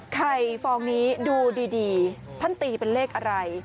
ฟองนี้ดูดีท่านตีเป็นเลขอะไร